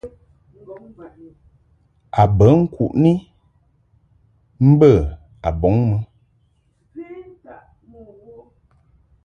A bə ŋkuʼni mbə a bɔŋ mɨ.